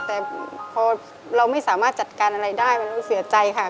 แต่พอเราไม่สามารถจัดการอะไรได้มันต้องเสียใจค่ะ